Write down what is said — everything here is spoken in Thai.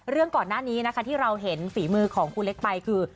ก่อนหน้านี้นะคะที่เราเห็นฝีมือของครูเล็กไปคือ